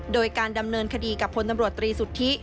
โดยการดำเนินคดีกับพลตำรวจตรีสุทธิ